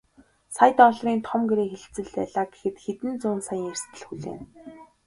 Сая долларын том гэрээ хэлцэл байлаа гэхэд хэдэн зуун саяын эрсдэл хүлээнэ.